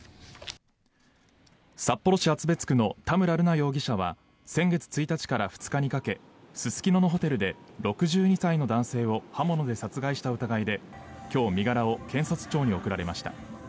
札幌市厚別区の田村瑠奈容疑者は先月１日から２日にかけすすきののホテルで６２歳の男性を刃物で殺害した疑いで今日、身柄を検察庁に送られました。